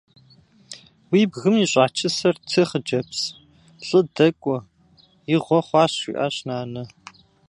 «Уи бгым ищӀа чысэр ты, хъыджэбз. ЛӀы дэкӀуэ. Игъуэ хъуащ!», – жиӀащ нанэ.